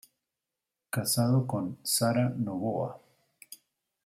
Casado con "Sara Novoa".